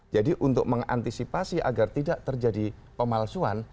jadi untuk mengantisipasi agar tidak terjadi pemalsuan